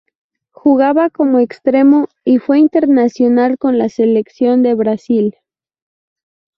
Jugaba como extremo y fue internacional con la selección de Brasil.